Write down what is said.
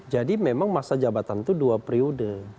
jadi memang masa jabatan itu dua periode